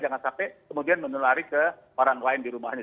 jangan sampai kemudian menulari ke orang lain di rumahnya